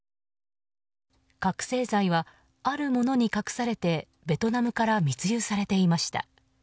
覚醒剤はあるものに隠されてベトナムから密輸されていました。